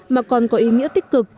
mà còn có ý nghĩa tích cực